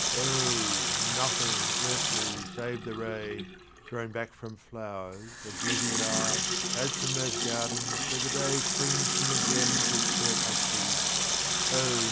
O! nothing earthly save the ray (Thrown back from flowers) of Beauty's eye, As in those gardens where the day Springs from the gems of Circassy— O!